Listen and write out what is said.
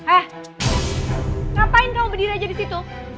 eh ngapain kamu berdiri aja di situ